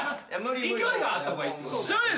勢いがあった方がいい。